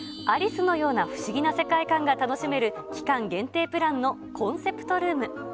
ありすのような不思議な世界観が楽しめる期間限定プランのコンセプトルーム。